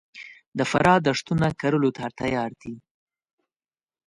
د فراه دښتونه کرلو ته تیار دي